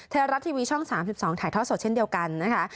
ไทยรัฐทีวีช่อง๓๒ถ่ายทอดสดเช่นเดียวกันนะคะ